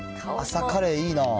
朝カレーいいな。